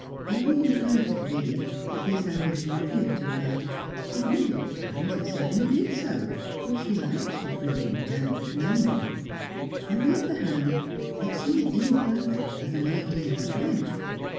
Irene tried to believe that this ambition appealed to her. Nay, at times it certainly did so, for she liked the brilliant and the commanding. On the other hand, it seemed imperfect as an ideal of life.